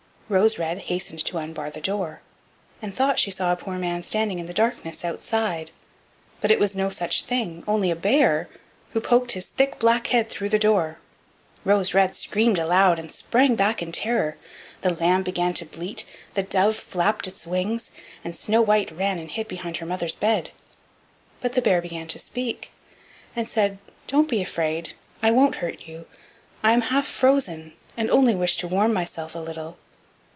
Rose red hastened to unbar the door, and thought she saw a poor man standing in the darkness outside; but it was no such thing, only a bear, who poked his thick black head through the door. Rose red screamed aloud and sprang back in terror, the lamb began to bleat, the dove flapped its wings, and Snow white ran and hid behind her mother's bed. But the bear began to speak, and said: "Don't be afraid: I won't hurt you. I am half frozen, and only wish to warm myself a little."